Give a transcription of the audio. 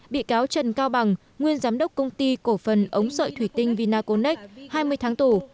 bị cáo trần cao bằng nguyên giám đốc công ty cổ phần ống sợi thủy tinh vinaconex hai mươi tháng tù